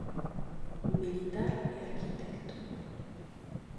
Militar e arquitecto.